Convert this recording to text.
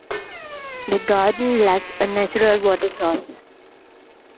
The garden lacks a natural water source.